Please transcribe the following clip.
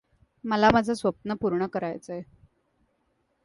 मला माझं स्वप्न पूर्ण करायचंय.